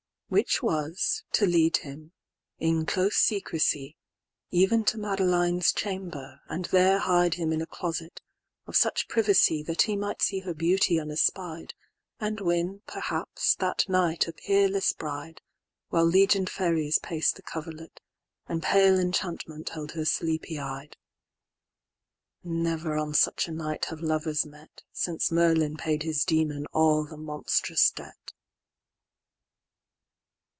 XIX.Which was, to lead him, in close secrecy, Even to Madeline's chamber, and there hideHim in a closet, of such privacyThat he might see her beauty unespied, And win perhaps that night a peerless bride, While legion'd fairies pac'd the coverlet, And pale enchantment held her sleepy eyed. Never on such a night have lovers met, Since Merlin paid his Demon all the monstrous debt.